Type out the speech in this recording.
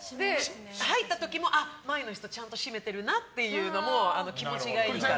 入った時も前の人ちゃんと閉めてるなっていうのも気持ちがいいから。